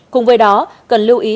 cùng với đó cần lưu ý